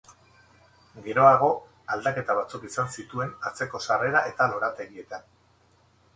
Geroago, aldaketa batzuk izan zituen atzeko sarrera eta lorategietan.